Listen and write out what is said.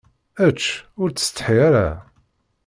Ečč, ur ttsetḥi ara.